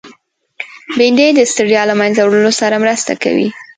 بېنډۍ د ستړیا له منځه وړلو سره مرسته کوي